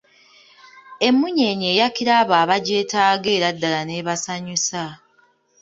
Emmunyeenye eyakira abo abagyetaaga era ddala ne basanyusa.